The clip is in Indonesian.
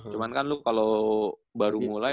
cuman kan lo kalau baru mulai